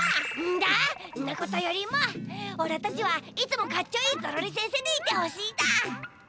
んなことよりもおらたちはいつもかっちょいいゾロリせんせでいてほしいだ！